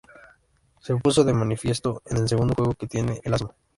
Se puso de manifiesto en el segundo juego que tiene el asma.